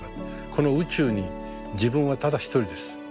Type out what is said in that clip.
この宇宙に自分はただ一人です。